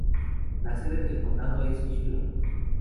La sede del condado es Huron.